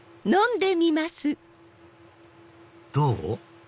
どう？